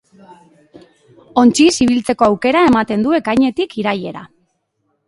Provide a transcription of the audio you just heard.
Ontziz ibiltzeko aukera ematen du ekainetik irailera.